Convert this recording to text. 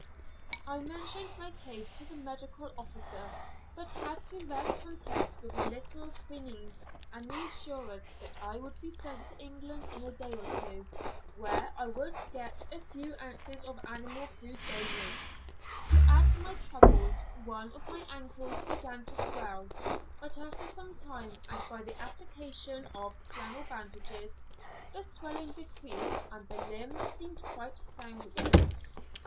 I mentioned my case to the medical officer, but had to rest content with a little quinine and the assurance that I would be sent to England in a day or two, where I would get a few ounces of animal food daily. To add to my troubles, one of my ankles began to swell, but after some time, and by the application of flannel bandages, the swelling decreased and the limb seemed quite sound again.